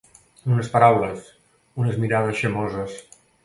Unes paraules, unes mirades xamoses.